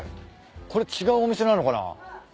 これ違うお店なのかな？